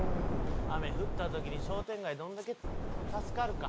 雨降った時に商店街どんだけ助かるか。